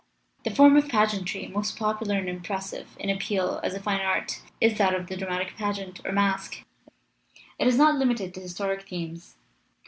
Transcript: "The form of pageantry most popular and im pressive in appeal as a fine art is that of the dramatic pageant, or masque. It is not limited to historic themes.